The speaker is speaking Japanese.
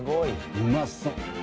うまそう。